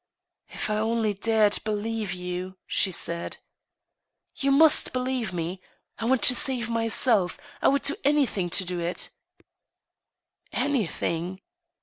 " If I only dared believe you !" she said. " You must believe me. I want to save myself; I would do any thing to do it." " Anything